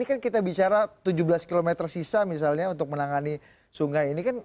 ini kan kita bicara tujuh belas km sisa misalnya untuk menangani sungai ini kan